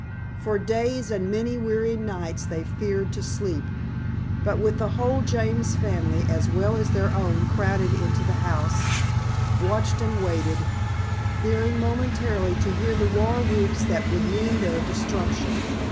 For days and many weary nights they feared to sleep, but with the whole James family as well as their own crowded into the house, watched and waited, fearing momentarily to hear the war whoops that would mean their destruction.